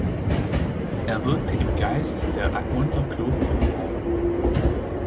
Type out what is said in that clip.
Er wirkte im Geist der Admonter Klosterreform.